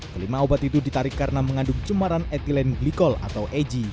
kelima obat itu ditarik karena mengandung cemaran etilen glikol atau eg